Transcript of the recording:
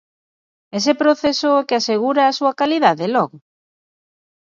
Ese proceso é o que asegura a súa calidade, logo?